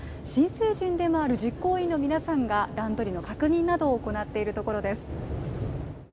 新成人でもある実行委員の皆さんが段取りの確認などを行っているところです。